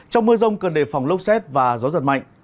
trong mưa rông cần đề phòng lốc xét và gió giật mạnh